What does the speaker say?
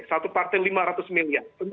satu partai lima ratus miliar